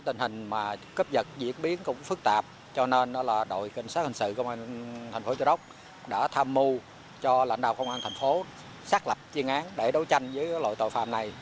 do nên đó là đội kinh sát hình sự công an thành phố châu đốc đã tham mưu cho lãnh đạo công an thành phố xác lập chiến án để đấu tranh với loại tội phạm này